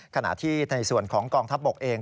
ขณะที่ในส่วนของกองทัพบกเอง